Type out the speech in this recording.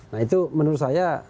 nah itu menurut saya